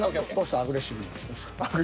「アグレッシブ」。